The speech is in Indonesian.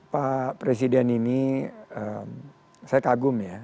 pak presiden ini saya kagum ya